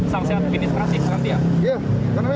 sanksian administrasi nanti ya